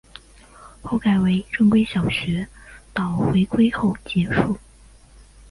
后改为正规小学到回归后结束。